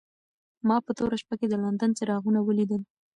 ما په توره شپه کې د لندن څراغونه ولیدل.